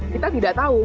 kita tidak tahu